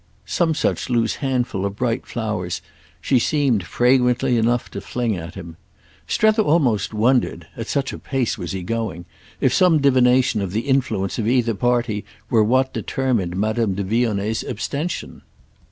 —some such loose handful of bright flowers she seemed, fragrantly enough, to fling at him. Strether almost wondered—at such a pace was he going—if some divination of the influence of either party were what determined Madame de Vionnet's abstention.